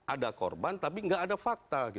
ada korban tapi nggak ada fakta